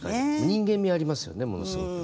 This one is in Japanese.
人間味ありますよねものすごく。